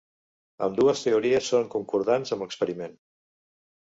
Ambdues teories són concordants amb l'experiment.